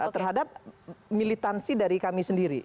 terhadap militansi dari kami sendiri